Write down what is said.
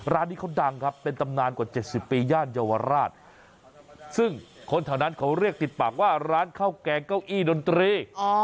ร้านนี้เขาดังครับเป็นตำนานกว่า๗๐ปีย่านเยาวราชซึ่งคนแถวนั้นเขาเรียกติดปากว่าร้านข้าวแกงเก้าอี้ดนตรี